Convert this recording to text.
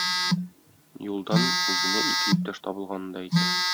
Юлдан үзенә ике иптәш табылганын да әйтте.